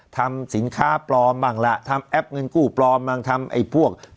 ทำสินค้าปลอมบ้างล่ะทำแอปเงินกู้ปลอมบ้างทำไอ้พวก